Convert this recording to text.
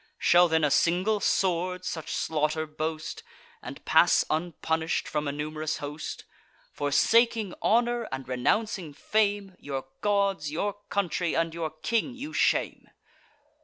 Shall then a single sword such slaughter boast, And pass unpunish'd from a num'rous host? Forsaking honour, and renouncing fame, Your gods, your country, and your king you shame!"